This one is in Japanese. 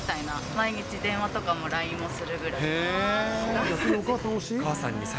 毎日、電話とかも、ＬＩＮＥもするぐらいのお母さんです。